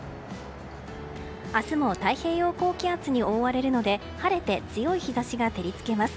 明日も太平洋高気圧に覆われるので晴れて強い日差しが照り付けます。